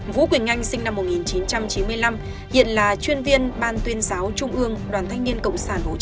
vũ quỳnh anh sinh năm một nghìn chín trăm chín mươi năm hiện là chuyên viên ban tuyên giáo trung ương đoàn thanh niên cộng sản hồ chí minh